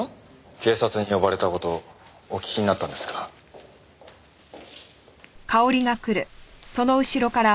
警察に呼ばれた事お聞きになったんですか？